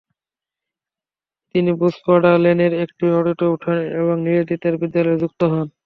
তিনি বোসপাড়া লেনের একটি বাড়িতে ওঠেন এবং নিবেদিতার বিদ্যালয়ে যুক্ত হন।